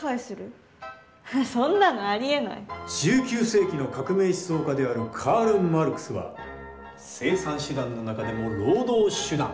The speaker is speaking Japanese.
１９世紀の革命思想家であるカール・マルクスは生産手段の中でも労働手段